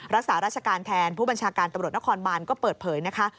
รักษาราชการแทนผู้บัญชาการตำรวจนครบานก็เปิดเผยนะคะ